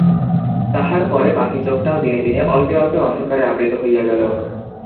তাহার পরে বাকি চোখটাও দিনে দিনে অল্পে অল্পে অন্ধকারে আবৃত হইয়া গেল।